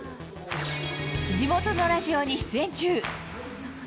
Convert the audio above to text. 地元のラジオに出演中。